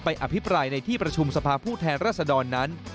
อภิปรายในที่ประชุมสภาพผู้แทนรัศดรนั้น